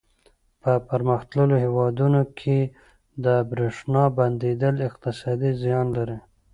په پرمختللو هېوادونو کې د برېښنا بندېدل اقتصادي زیان لري.